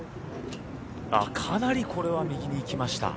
かなりこれは右に行きました。